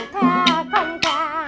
tha không tha